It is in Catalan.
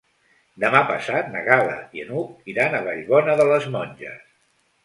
Demà passat na Gal·la i n'Hug iran a Vallbona de les Monges.